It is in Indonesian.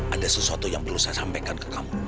ada sesuatu yang perlu saya sampaikan ke kamu